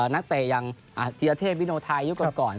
นักเตะอย่างธีรเทพวิโนไทยยุคก่อน